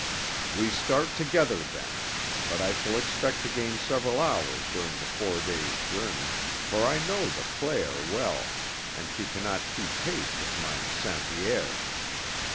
"We start together, then, but I shall expect to gain several hours during the four days' journey, for I know the Claire well, and she cannot keep pace with my Sainte Vierge.